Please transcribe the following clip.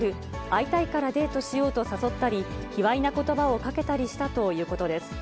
会いたいからデートしようと誘ったり、卑わいなことばをかけたりしたということです。